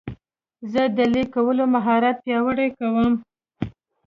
زه د لیک کولو مهارت پیاوړی کوم.